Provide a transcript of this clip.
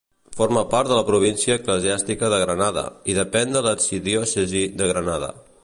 Forma part de la província eclesiàstica de Granada, i depèn de l'arxidiòcesi de Granada.